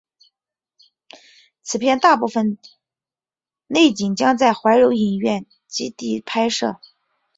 此片大部分内景将在怀柔影视基地拍摄。